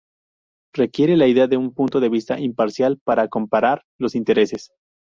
Requiere la idea de un punto de vista imparcial para comparar los intereses.